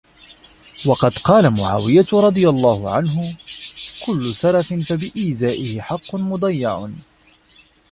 وَقَدْ قَالَ مُعَاوِيَةُ رَضِيَ اللَّهُ عَنْهُ كُلّ سَرَفٍ فَبِإِزَائِهِ حَقٌّ مُضَيَّعٌ